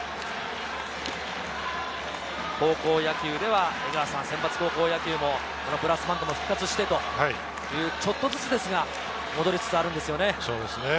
高校野球では江川さん、センバツもブラスバンドも復活してちょっとずつですが戻りつつあるんですよね。